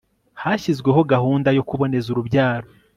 hashyizweho gahundayo kuboneza urubyaro